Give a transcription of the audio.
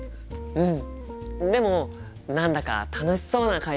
うん！